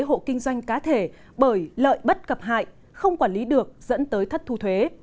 hộ kinh doanh cá thể bởi lợi bất cập hại không quản lý được dẫn tới thất thu thuế